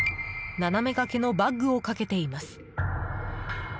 斜めがけのバッグをかけています。